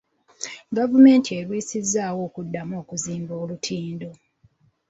Gavumenti erwisizzaawo okuddamu okuzimba olutindo.